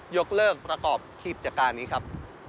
ยกเลิกประกอบกิจการนี้ครับ